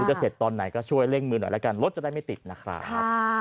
จะเสร็จตอนไหนก็ช่วยเร่งมือหน่อยแล้วกันรถจะได้ไม่ติดนะครับ